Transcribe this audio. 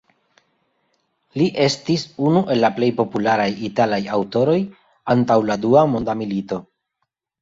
Li estis unu el la plej popularaj italaj aŭtoroj antaŭ la Dua Monda Milito.